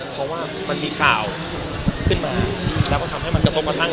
เพราะว่ามันมีข่าวขึ้นมาแล้วก็ทำให้มันกระทบกระทั่ง